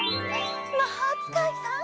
まほうつかいさん。